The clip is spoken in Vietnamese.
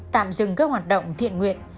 tạm dừng các hoạt động thiện nguyện